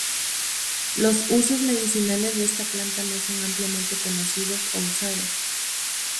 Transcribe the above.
Los usos medicinales de esta planta no son ampliamente conocidos o usados.